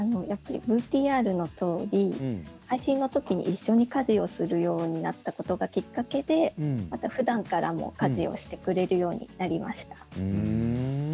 ＶＴＲのとおり配信のときに一緒に家事をするようになったことがきっかけでふだんからも家事をしてくれるようになりました。